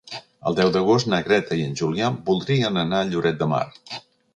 El deu d'agost na Greta i en Julià voldrien anar a Lloret de Mar.